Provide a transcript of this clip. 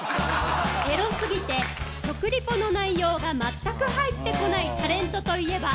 ・エロすぎて食リポの内容が全く入ってこないタレントといえば？